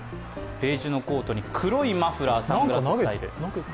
ベージュのコートに黒いマフラーサングラススタイル。